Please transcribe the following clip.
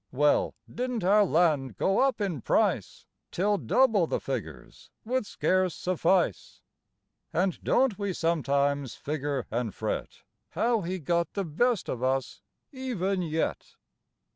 Well, didn't our land go up in price Till double the figures would scarce suffice? And don't we sometimes figure and fret How he got the best of us, even yet?